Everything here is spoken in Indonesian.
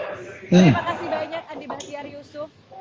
terima kasih banyak andi bahtiar yusuf